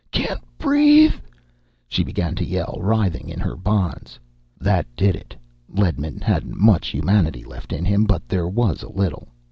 "Can't breathe!" She began to yell, writhing in her bonds. That did it. Ledman hadn't much humanity left in him, but there was a little.